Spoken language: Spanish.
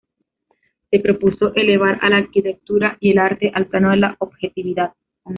Se propuso elevar a la arquitectura y el arte al plano de la objetividad.